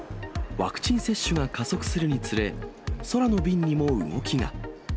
ワクチン接種が加速するにつれ、空の便にも動きが。